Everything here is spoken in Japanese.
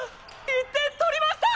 １点取りました！